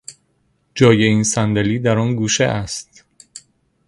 جای این صندلی در آن گوشه است.